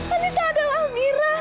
anissa adalah mira